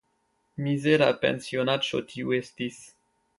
Mizera pensionaĉo tiu estis.